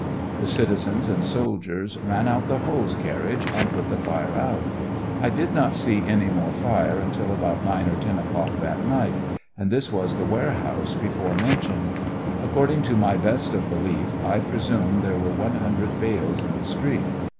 The citizens and soldiers ran out the hose carriage and put the fire out, I did not see any more fire until about 9 or 10 o'clock that night, and this was the warehouse before mentioned. According to my best of belief I presume there were one hundred bales in the street.